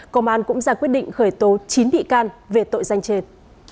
công an cũng ra quyết định khởi tố chín bị can về tội danh trên